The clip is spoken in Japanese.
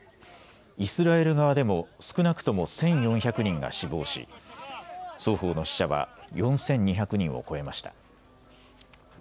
イスラエル側でも少なくとも１４００人が死亡し双方の死者は４２００人を超えました。